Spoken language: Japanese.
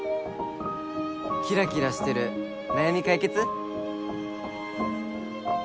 ・キラキラしてる悩み解決？